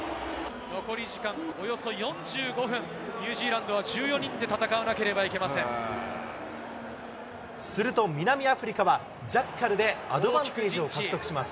残り時間およそ４５分、ニュージーランドは１４人で戦わなければすると南アフリカは、ジャッカルでアドバンテージを獲得します。